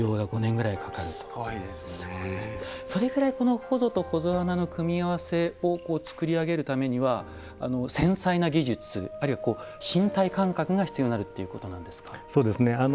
それぐらいこのほぞとほぞ穴の組み合わせを作り上げるためには、繊細な技術身体感覚が必要になるということなんですか。